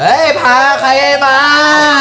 เอ้ยพาใครให้มา